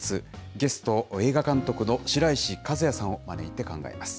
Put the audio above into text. ゲスト、映画監督の白石和彌さんを招いて考えます。